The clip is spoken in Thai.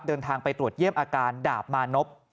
เดินทางไปตรวจเยี่ยมอาการดาบมานพ